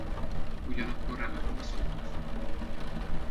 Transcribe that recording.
Ugyanakkor remek úszók is.